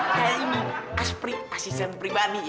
kayak ini asisten pribadi